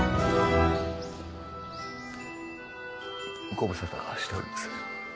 ご無沙汰しております。